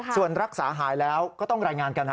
ส่วนรักษาหายแล้วก็ต้องรายงานกัน